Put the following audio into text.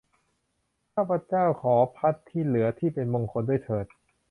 ข้าพเจ้าขอภัตต์ที่เหลือที่เป็นมงคลด้วยเถิด